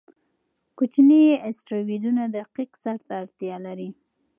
کوچني اسټروېډونه دقیق څار ته اړتیا لري.